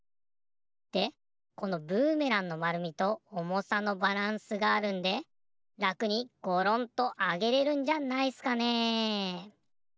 でこのブーメランのまるみとおもさのバランスがあるんでらくにゴロンとあげれるんじゃないっすかね。